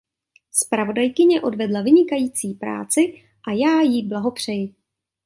Zpravodajkyně odvedla vynikající práci a já jí blahopřeji.